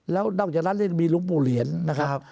แล้วนอกจากนั้นจะมีหลวงปู่เหรียญนะครับ